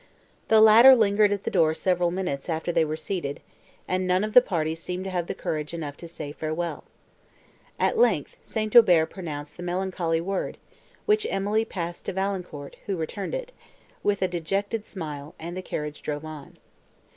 The latter lingered at the door several minutes after they were seated, and none of the party seemed to have courage enough to say—Farewell. At length, St. Aubert pronounced the melancholy word, which Emily passed to Valancourt, who returned it, with a dejected smile, and the carriage drove on.